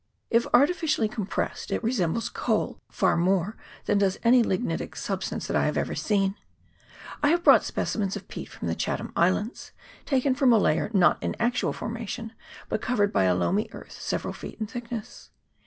If arti ficially compressed it resembles coal far more than does any lignitic substance that I have ever seen. I have brought specimens of peat from the Chatham Islands, taken from a layer not in actual formation, but covered by a loamy earth several feet in thick ness.